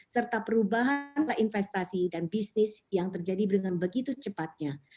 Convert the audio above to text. serta perubahan investasi dan bisnis yang terjadi dengan begitu cepatnya